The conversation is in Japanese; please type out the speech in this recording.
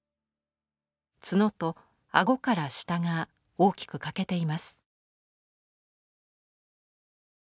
角と顎から下が大きく欠けています。